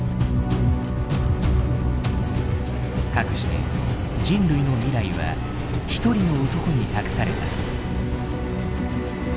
かくして人類の未来は一人の男に託された。